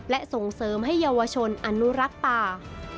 และส่งเสริมให้เยาวชนอนุรักษ์ป่า